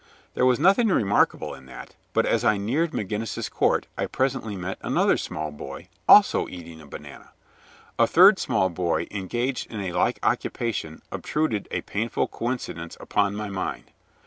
There was nothing remarkable in that, but as I neared McGinnis's Court I presently met another small boy, also eating a banana. A third small boy engaged in a like occupation obtruded a painful coincidence upon my mind.